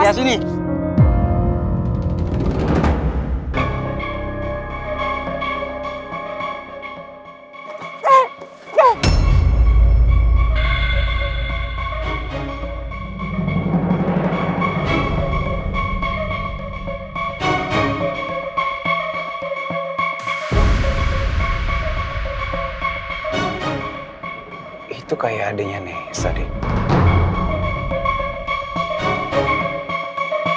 eh mau kemana